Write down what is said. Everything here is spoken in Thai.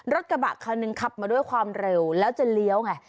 รถกระบะคันหนึ่งขับมาด้วยความเร็วแล้วจะเลี้ยวไง